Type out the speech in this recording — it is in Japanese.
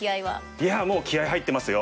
いやもう気合い入ってますよ！